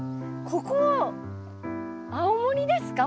ここ青森ですか？